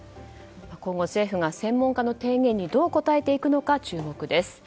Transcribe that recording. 今後、政府が専門家の提言にどう応えていくのか注目です。